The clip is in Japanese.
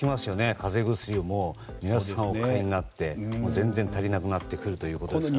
風邪薬を皆さんがお買いになって全然、足りなくなってくるということですからね。